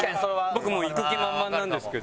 僕もういく気満々なんですけど。